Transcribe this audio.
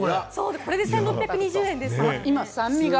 これで１６２０円です。